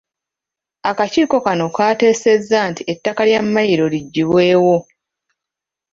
Akakiiko kano kaateesezza nti ettaka lya Mmayiro liggyibwewo.